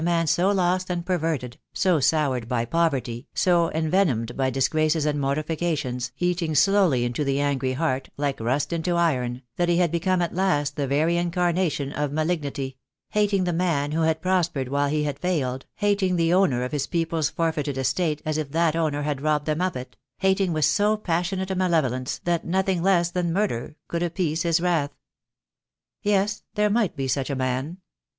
man so lost and perverted, so soured by poverty, so envenomed by disgraces and mortifications, eating slowly into the angry heart, like rust into iron, that he had be come at last the very incarnation of malignity — hating the man who had prospered while he had failed, hating the owner of his people's forfeited estate as if that owner had robbed them of it — hating with so passionate a malevolence that nothing less than murder could appease his wrath. Yes, there might be such a man.